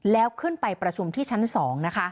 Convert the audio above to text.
แล้วขึ้นไปประชุมที่ชั้น๒นะคะ